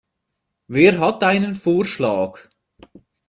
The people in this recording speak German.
Wer hat einen Vorschlag?